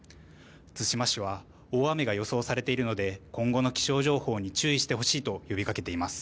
対馬市は大雨が予想されているので今後の気象情報に注意してほしいと呼びかけています。